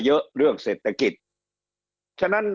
เยอะเรื่องเศรษฐกิจ